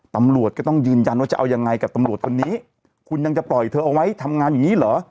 ตำรวจก็ต้องยืนยันว่าจะเอายังไงกับตำรวจคนนี้คุณยังจะปล่อยเธอเอาไว้ทำงานอย่างนี้เหรอ